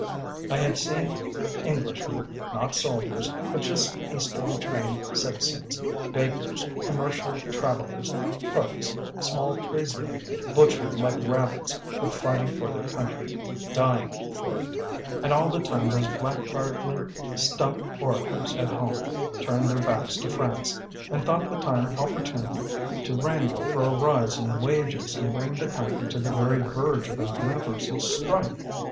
I had seen Englishmen, not soldiers but just hastily trained citizens bakers, commercial travellers, clerks, small tradesmen butchered like rabbits but fighting for their country, dying for it and all the time those blackguardly stump orators at home turned their backs to France and thought the time opportune to wrangle for a rise in wages and bring the country to the very verge of a universal strike.